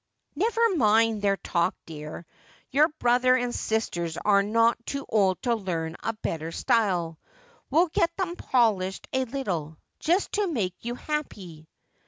' Never mind their talk, dear. Your brother and sisters are not too old to learn a better style. We'll get them polished a little, just to make you happy.'